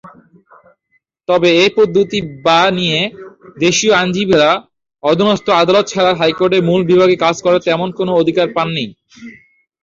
তবে এ পদ্ধতি বা নিয়ে দেশীয় আইনজীবীরা অধস্তন আদালত ছাড়া হাইকোর্টে মূল বিভাগে কাজ করার তেমন কোনো অধিকার পায়নি।